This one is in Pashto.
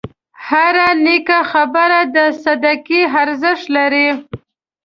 هره نیکه خبره د صدقې ارزښت لري.